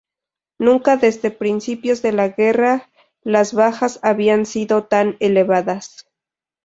Nunca desde principios de la guerra las bajas habían sido tan elevadas.